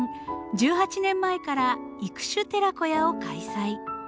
１８年前から育種寺子屋を開催。